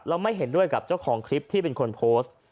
แล้วไม่เห็นด้วยกับเจ้าของคลิปที่เป็นคนโพสต์